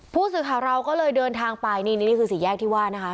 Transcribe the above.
ผู้สื่อข่าวเราก็เลยเดินทางไปนี่นี่คือสี่แยกที่ว่านะคะ